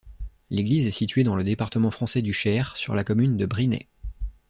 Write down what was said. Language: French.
L'église est située dans le département français du Cher, sur la commune de Brinay.